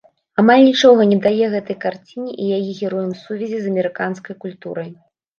Амаль нічога не дае гэтай карціне і яе героям сувязі з амерыканскай культурай.